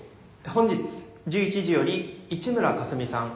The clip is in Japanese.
本日１１時より一村香澄さん。